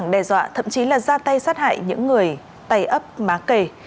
đe dọa thậm chí là ra tay sát hại những người tày ấp má kề